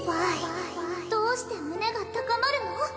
「Ｗｈｙどうして胸が高まるの」